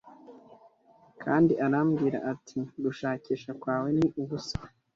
Kandi arambwira ati Gushakisha kwawe ni ubusa